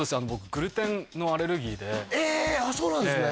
グルテンのアレルギーでえああそうなんですね